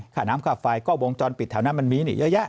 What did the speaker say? ค่าน้ำค่าไฟก็วงจรปิดแถวนั้นมันมีนี่เยอะแยะ